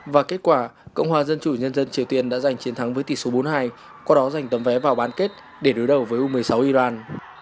và kết quả cộng hòa dân chủ nhân dân triều tiên đã giành chiến thắng với tỷ số bốn mươi hai qua đó giành tấm vé vào bán kết để đối đầu với u một mươi sáu iran